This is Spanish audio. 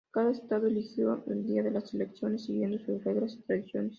Cada estado eligió el día de las elecciones siguiendo sus reglas y tradiciones.